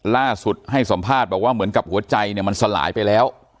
ล่าสุดให้สัมภาษณ์บอกว่าเหมือนกับหัวใจเนี่ยมันสลายไปแล้ว